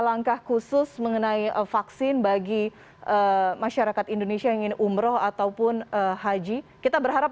nomor angka angka khusus mengenai vaksin bagi masyarakat indonesia yang ingin umroh ataupun haji kita berharap ada